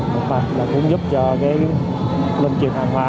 một mặt là cũng giúp cho cái linh truyền hóa